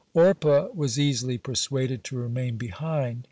(43) Orpah was easily persuaded to remain behind.